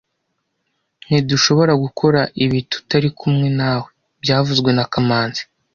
Ntidushobora gukora ibi tutari kumwe nawe byavuzwe na kamanzi